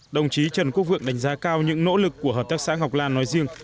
đồng chí trần quốc vượng đánh giá cao những nỗ lực của hợp tác xã ngọc lan nói riêng